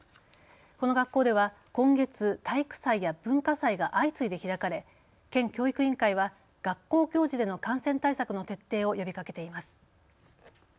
この学校では今月、体育祭や文化祭が相次いで開かれ県教育委員会は学校行事での感染対策の徹底を呼びかけています。